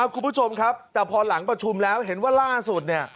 คุณผู้ชมครับแต่พอหลังประชุมแล้วเห็นว่าล่าสุดเนี่ย